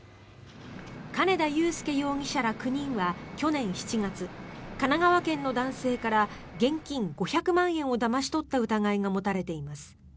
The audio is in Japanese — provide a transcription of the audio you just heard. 金田祐輔容疑者ら９人は去年７月神奈川県の男性から現金５００万円をだまし取った疑いが持たれています。